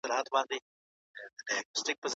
هغه به د څېړنې لپاره نوي لاري ولټوي.